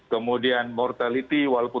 kemudian ppkm skala mikro sudah turun